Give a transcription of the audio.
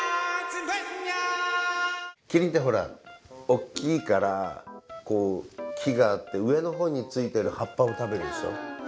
キリンってほらおっきいからこうきがあってうえのほうについてるはっぱを食べるでしょ？